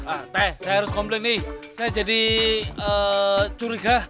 ah teh saya harus komplain nih saya jadi curiga